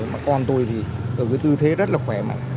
mà con tôi thì ở cái tư thế rất là khỏe mạnh